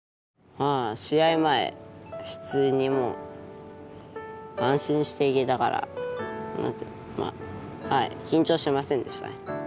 試合前普通にもう安心していけたからはい緊張しませんでしたね。